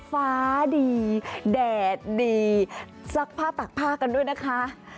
ฟ้าดีแดดดีซักผ้าตากผ้ากันด้วยนะคะ